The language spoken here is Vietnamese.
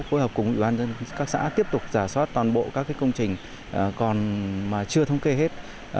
phối hợp cùng các xã tiếp tục giả soát toàn bộ các công trình còn mà chưa thống kê hết